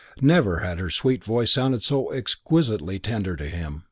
Never had her sweet voice sounded so exquisitely tender to him.